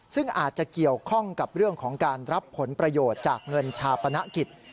ซึ่งอาจจะเกี่ยวข้องกับเรื่องของการรับผลประโยชน์จากเงินชาปนกิจ